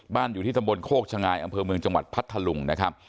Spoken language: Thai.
บ้านอยู่ในสมบลโคกชง่ายอำเภอจังหวัดพัทธลุง